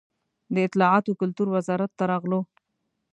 د اطلاعات و کلتور وزارت ته راغلو.